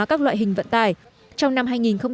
các loại hình vận tải trong năm hai nghìn một mươi bảy